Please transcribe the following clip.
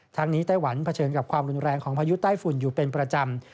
ทั้งนี้ไต้หวันเผชิญกับความรุนแรงของพายุใต้ฝุ่นอยู่เป็นประจำ